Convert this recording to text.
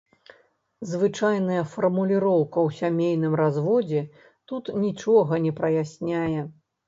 Звычайная фармуліроўка ў сямейным разводзе тут нічога не праясняе.